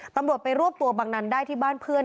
ตำรวจไปรวบตัวบังนั้นได้ที่บ้านเพื่อน